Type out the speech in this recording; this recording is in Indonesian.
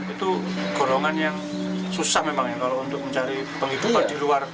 itu golongan yang susah memang ya kalau untuk mencari penghidupan di luar